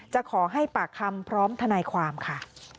จะขอให้ปากคำพร้อมทนายความค่ะ